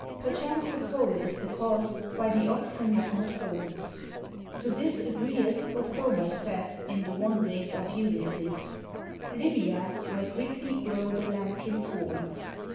Perchance the cold is the cause why the oxen have not horns. To this agreeth what Homer saith in the "Wan derings of Ulysses" —" Libya, where quickly grow the lambkin's horns."